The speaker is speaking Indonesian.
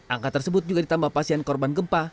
angka tersebut juga ditambah pasien korban gempa